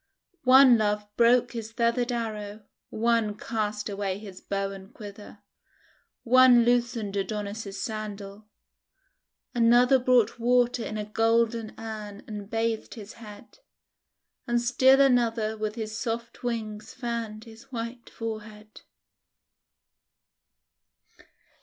One Love broke his feathered arrow, one cast away his bow and quiver, one loosened Adonis' sandal, another brought water in a golden urn and bathed his head, and still another with his soft wings fanned his white forehead.